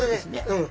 うん。